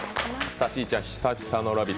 しーちゃん久々の「ラヴィット！」